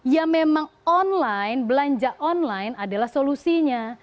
ya memang online belanja online adalah solusinya